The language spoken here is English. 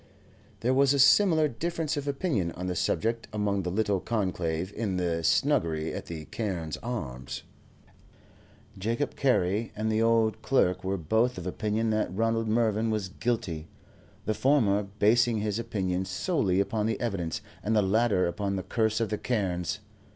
There was a similar difference of opinion on the subject among the little conclave in the snuggery at the "Carne's Arms." Jacob Carey and the old clerk were both of opinion that Ronald Mervyn was guilty, the former basing his opinion solely upon the evidence, and the latter upon the curse of the Carnes.